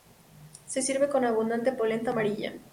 Se sirve con abundante polenta amarilla.